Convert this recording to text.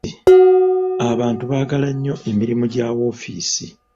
Abantu baagala nnyo emirimu gya woofiisi.